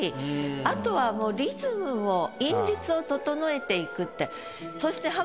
あとはもうリズムを韻律を整えていくって。